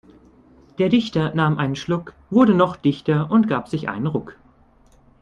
Der Dichter nahm einen Schluck, wurde noch dichter und gab sich einen Ruck.